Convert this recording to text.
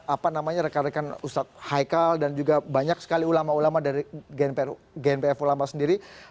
apa namanya rekan rekan ustadz haikal dan juga banyak sekali ulama ulama dari gnpf ulama sendiri